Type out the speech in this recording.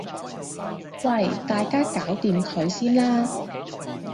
喂大家搞掂佢先啦